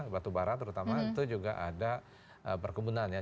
batu bara terutama itu juga ada perkebunan ya